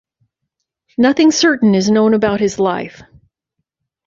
Nothing certain is known about his life.